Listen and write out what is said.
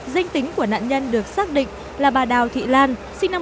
danh tính của nạn nhân được xác định là bà đào thị lan sinh năm một nghìn chín trăm ba mươi ba